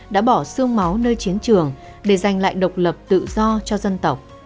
đã bỏ xương máu nơi chiến trường để giành lại độc lập tự do cho dân tộc